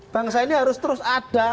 bangsa ini harus terus ada